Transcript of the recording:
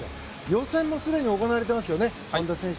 予選がすでに行われていますね。